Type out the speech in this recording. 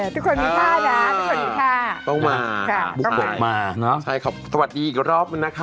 ทุกคนมีผ้านะต้องมาต้องมาใช่ขอบคุณสวัสดีอีกรอบนะคะ